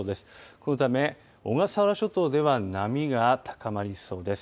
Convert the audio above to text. このため、小笠原諸島では波が高まりそうです。